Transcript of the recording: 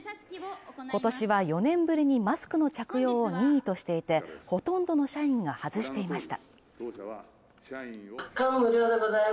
今年は４年ぶりにマスクの着用を任意としていてほとんどの社員が外していました。